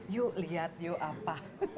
yuk lihat yuk apa